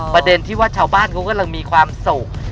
ประเด็นที่ว่าชาวบ้านเขากำลังมีความสุข